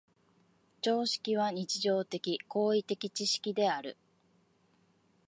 常識は日常的・行為的知識である。